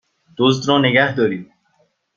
دزد را نگهدارید!